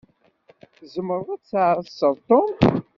Tzemṛeḍ ad tɛasseḍ Tom?